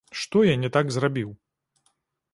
Што я не так зрабіў?